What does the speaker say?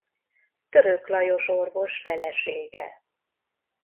Török Lajos orvos felesége.